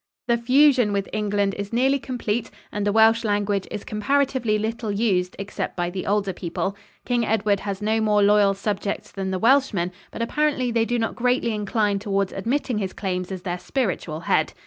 The fusion with England is nearly complete and the Welsh language is comparatively little used except by the older people. King Edward has no more loyal subjects than the Welshmen, but apparently they do not greatly incline towards admitting his claims as their spiritual head.